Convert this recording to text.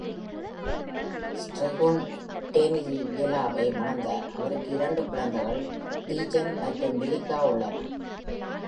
ட்ரெகுன் டேனிஜெலாவை மணந்தார், அவருக்கு இரண்டு குழந்தைகள், டீஜன் மற்றும் மிலிகா உள்ளன.